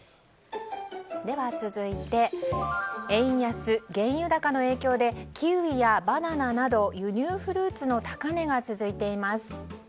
では続いて円安、原油価格の影響でキウイやバナナなど輸入フルーツの高値が続いています。